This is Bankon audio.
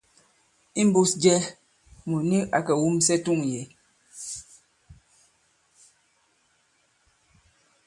Imbūs jɛ, mùt nik ǎ kè wumsɛ i tûŋ yě.